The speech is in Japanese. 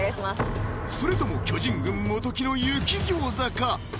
それとも巨人軍・元木の雪ギョウザか？